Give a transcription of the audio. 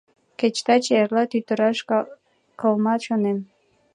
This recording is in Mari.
Кеч таче-эрла тӱтыраш кылма чонем